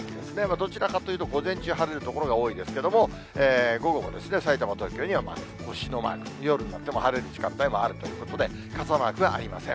どちらかというと午前中、晴れる所が多いですけれども、午後もさいたま、東京には星のマーク、夜になっても晴れる時間帯があるということで、傘マークはありません。